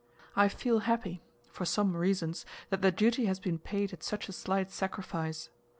I feel happy, for some reasons, that the duty has been paid at such a slight sacrifice.